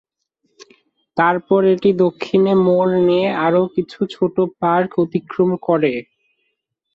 তারপর এটি দক্ষিণে মোড় নিয়ে আরো কিছু ছোট পার্ক অতিক্রম করে।